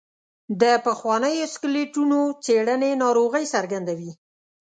د پخوانیو سکلیټونو څېړنې ناروغۍ څرګندوي.